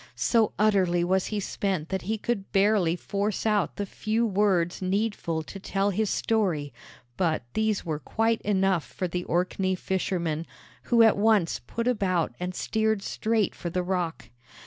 So utterly was he spent that he could barely force out the few words needful to tell his story; but these were quite enough for the Orkney fishermen, who at once put about and steered straight for the rock.